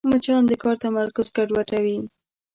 مچان د کار تمرکز ګډوډوي